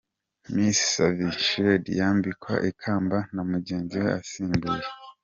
Miss Savvy Shields yambikwa ikamba na mugenzi we asimbuye.